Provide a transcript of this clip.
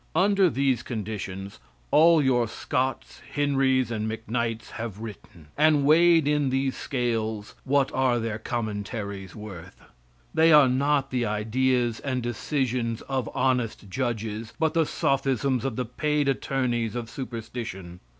Under these conditions, all your Scotts, Henrys and McKnights have written; and weighed in these scales what are their commentaries worth? They are not the ideas and decisions of honest judges, but the sophisms of the paid attorneys of superstition.